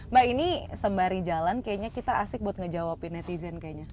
mbak ini sembari jalan kayaknya kita asik buat ngejawabin netizen kayaknya